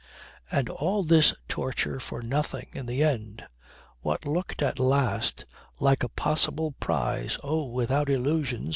And all this torture for nothing, in the end! What looked at last like a possible prize (oh, without illusions!